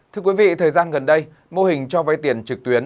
thưa quý vị thời gian gần đây mô hình cho vay tiền trực tuyến